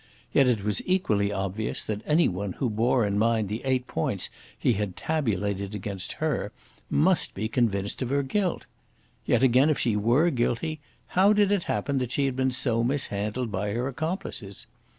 Yet it was equally obvious that any one who bore in mind the eight points he had tabulated against her must be convinced of her guilt. Yet again, if she were guilty, how did it happen that she had been so mishandled by her accomplices?